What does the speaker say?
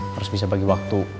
harus bisa bagi waktu